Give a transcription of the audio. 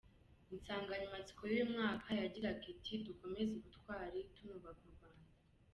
Insanganyamatsiko y’uyu mwaka yagiraga iti:”Dukomeze ubutwari tunubaka U Rwanda”.